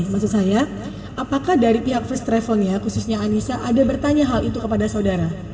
maksud saya apakah dari pihak first travelnya khususnya anissa ada bertanya hal itu kepada saudara